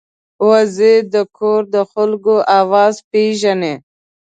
وزې د کور د خلکو آواز پېژني